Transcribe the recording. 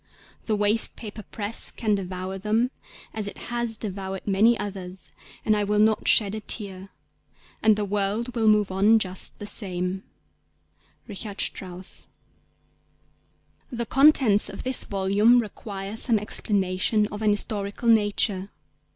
The waste paper press can devour them as it has devoured many others, and I will not shed a tear ... and the world will move on just the same."'—RICHARD STRAUSS. THE contents of this volume require some explanation of an historical nature.